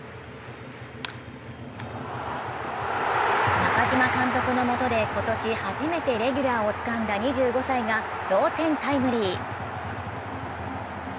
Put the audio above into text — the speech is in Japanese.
中嶋監督のもとで今年初めてレギュラーをつかんだ２５歳が同点タイムリー。